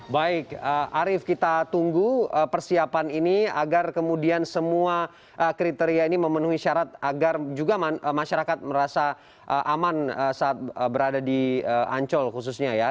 baik arief kita tunggu persiapan ini agar kemudian semua kriteria ini memenuhi syarat agar juga masyarakat merasa aman saat berada di ancol khususnya ya